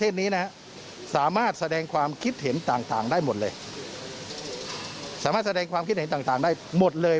สามารถแสดงความคิดเห็นต่างได้หมดเลย